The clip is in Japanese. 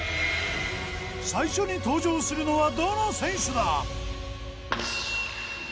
最初に登場するのはどの選手だ？